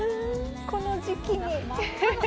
この時期に。